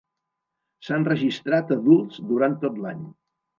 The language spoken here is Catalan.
S'han registrat adults durant tot l'any.